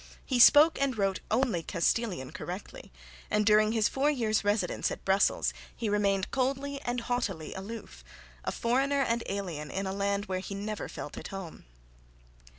He spoke and wrote only Castilian correctly, and during his four years' residence at Brussels he remained coldly and haughtily aloof, a foreigner and alien in a land where he never felt at home.